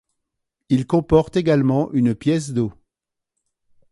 Il comporte également une pièce d'eau.